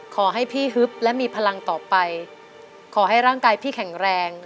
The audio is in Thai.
ขอให้พี่ฮึบและมีพลังต่อไปขอให้ร่างกายพี่แข็งแรง